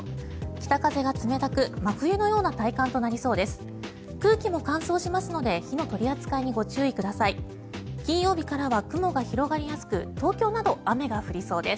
北風が冷たく真冬のような体感となりそうです。